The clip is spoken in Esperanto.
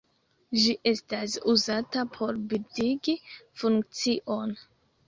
Ĝi estas uzata por bildigi funkcion.